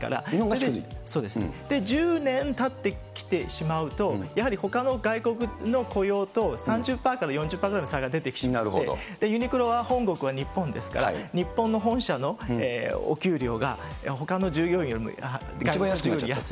そうですね、１０年たってきてしまうと、やはりほかの外国の雇用と３０パーから４０パーぐらいの差が出てきてしまって、ユニクロは本国は日本ですから、日本の本社のお給料がほかの従業員よりも安い。